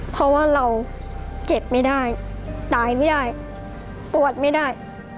เพราะว่าเราเก็บไม่ได้ตายไม่ได้ปวดไม่ได้